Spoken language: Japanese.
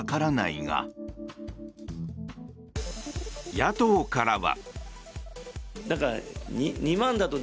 野党からは。